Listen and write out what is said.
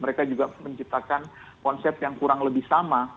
mereka juga menciptakan konsep yang kurang lebih sama